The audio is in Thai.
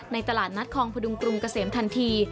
ตลาดนัดคลองพดุงกรุงเกษมทันที